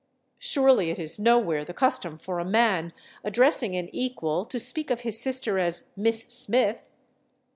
Surely it is nowhere the custom for a man, addressing an equal, to speak of his sister as "Miss Smith."